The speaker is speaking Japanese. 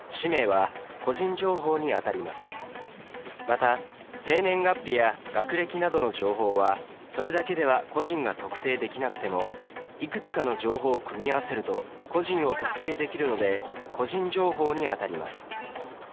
また生年月日や学歴などの情報はそれだけでは個人が特定できなくてもいくつかの情報を組み合わせると個人を特定できるので個人情報にあたります。